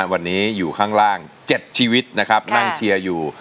วันนี้อยู่ข้างล่าง๗ชีวิตนะครับนั่งเชียร์อยู่